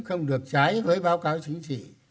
không được trái với báo cáo chính trị